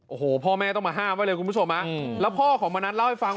โอ้โหพ่อแม่ต้องมาห้ามไว้เลยคุณผู้ชมฮะแล้วพ่อของมณัฐเล่าให้ฟัง